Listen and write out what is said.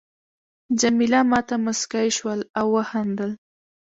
جميله ما ته مسکی شول او وخندل.